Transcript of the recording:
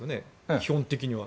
基本的には。